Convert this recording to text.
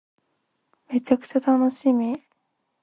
めちゃくちゃ楽しみ